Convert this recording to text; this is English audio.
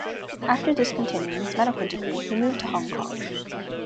After discontinuing his medical degree, he moved to Hong Kong.